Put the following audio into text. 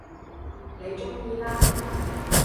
你鍾意啦